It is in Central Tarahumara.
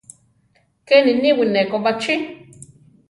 Keni niwí neko bachí.